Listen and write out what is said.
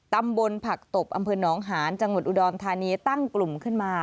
ตำบลผักตบอำเภอหนองหานจังหวัดอุดรธานีตั้งกลุ่มขึ้นมา